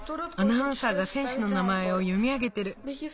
アナウンサーがせん手の名まえをよみ上げてる。